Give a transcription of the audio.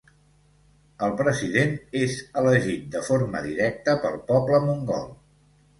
El president és elegit de forma directa pel poble mongol.